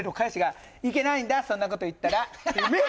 「そんなこと言ったら」っ